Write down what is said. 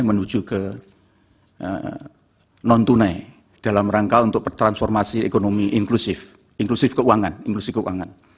menuju ke nontonai dalam rangka untuk pertransformasi ekonomi inklusif inklusif keuangan